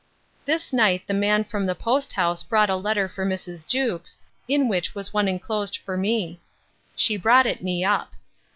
This night the man from the post house brought a letter for Mrs. Jewkes, in which was one enclosed for me: She brought it me up.